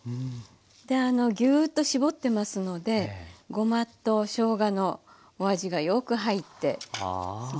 であのギューッと絞ってますのでごまとしょうがのお味がよく入ってすごくおいしくなります。